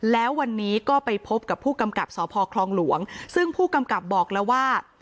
แล้ววันนี้ก็ไปพบกับผู้กำกับสพคลองหลวงซึ่งผู้กำกับบอกแล้วว่า